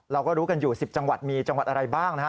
เราก็รู้กันอยู่๑๐จังหวัดมีจังหวัดอะไรบ้างนะฮะ